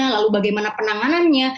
lalu bagaimana penanganannya